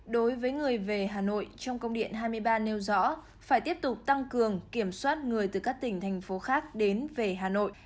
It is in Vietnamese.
đối với người về hà nội trong công điện hai mươi ba nêu rõ phải tiếp tục tăng cường kiểm soát người từ các tỉnh thành phố khác đến về hà nội